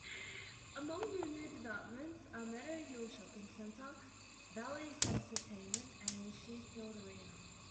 Among the new developments are Meadowhall shopping centre, Valley Centertainment and Sheffield Arena.